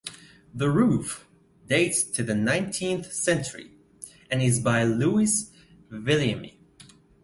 The roof dates to the Nineteenth Century and is by Lewis Vulliamy.